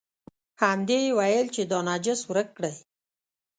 همدې یې ویل چې دا نجس ورک کړئ.